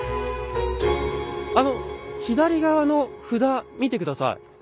あの左側の札見て下さい。